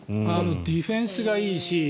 ディフェンスがいいし。